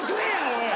おい！